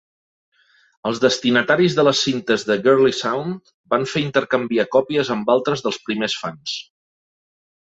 Els destinataris de les cintes de Girly-Sound van fer intercanviar còpies amb altres dels primers fans.